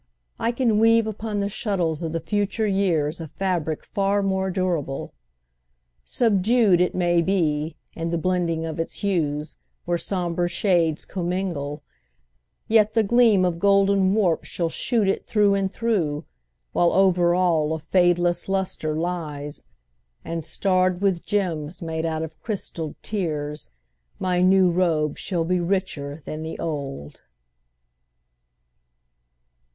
I can weave Upon the shuttles of the future years A fabric far more durable. Subdued, It may be, in the blending of its hues, Where somber shades commingle, yet the gleam Of golden warp shall shoot it through and through, While over all a fadeless luster lies, And starred with gems made out of crystalled tears, My new robe shall be richer than the old.